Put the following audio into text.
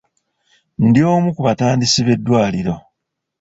Ndi omu ku batandisi b'eddwaliro.